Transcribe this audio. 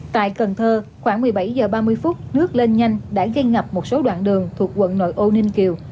tại cần thơ khoảng một mươi bảy h ba mươi phút nước lên nhanh đã gây ngập một số đoạn đường thuộc quận nội ô ninh kiều